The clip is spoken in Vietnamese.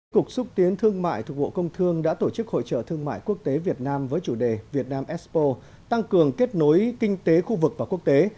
cục xúc tiến thương mại thuộc bộ công thương đã tổ chức hội trợ thương mại quốc tế việt nam với chủ đề việt nam expo tăng cường kết nối kinh tế khu vực và quốc tế